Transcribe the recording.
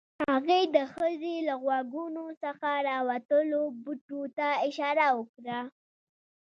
هغې د ښځې له غوږونو څخه راوتلو بوټو ته اشاره وکړه